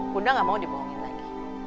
bunda gak mau dibohongin lagi